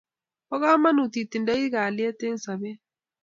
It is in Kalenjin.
Bo kamanut iting'doi kalyet eng' sobet